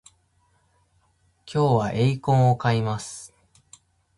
今日はエイコンを買います